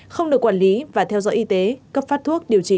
không được quản lý và theo dõi y tế cấp phát thuốc điều trị